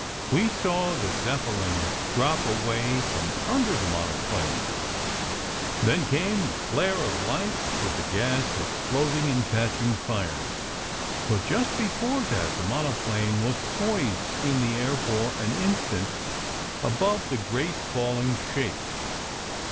We saw the Zeppelin drop away from under the monoplane. Then came the flare of light, with the gas ex ploding and catching fire. But just before that, the mono plane was poised in the air for an instant above the 220 SECRET HISTORY 221 great falling shape.